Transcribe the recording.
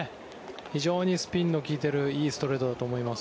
非常にスピンの利いてるいいストレートだと思います。